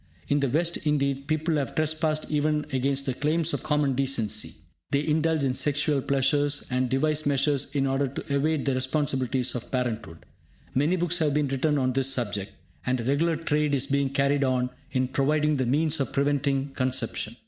In the West indeed, people have trespassed even against the claims of common decency. They indulge in sexual pleasures, and devise measures in order to evade the responsibilities of parenthood. Many books have been written on this subject, and a regular trade is being carried on in providing the means of preventing conception.